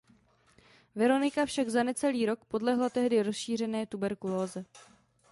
Veronika však za necelý rok podlehla tehdy rozšířené tuberkulóze.